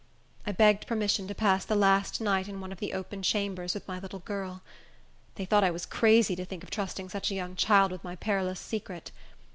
I begged permission to pass the last night in one of the open chambers, with my little girl. They thought I was crazy to think of trusting such a young child with my perilous secret.